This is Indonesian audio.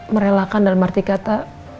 merelakan dalam arti kata